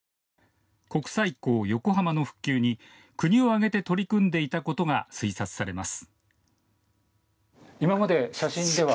国際港・横浜の復旧に国を挙げて取り組んでいたことが推察されます。